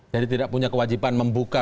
jadi tidak punya kewajiban membuka